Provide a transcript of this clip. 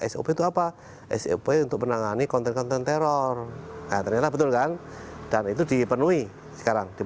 sop itu apa sop untuk menangani konten konten teror ternyata betul kan dan itu dipenuhi sekarang di